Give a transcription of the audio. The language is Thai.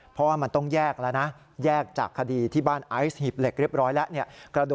เพราะว่ามันต้องแยกแล้วนะแยกจากคดีที่บ้านไอซ์หีบเหล็กเรียบร้อยแล้วเนี่ย